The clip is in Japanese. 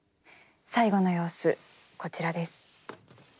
最期の様子こちらです。